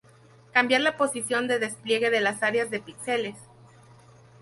Cambiar la posición de despliegue de las áreas de píxeles.